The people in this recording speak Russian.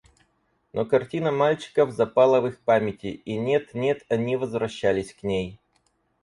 Но картина мальчиков запала в их памяти, и нет-нет они возвращались к ней.